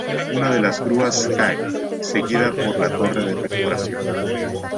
Una de las grúas cae, seguida por la torre de perforación.